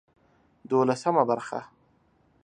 دولسمه برخه